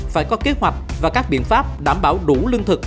phải có kế hoạch và các biện pháp đảm bảo đủ lương thực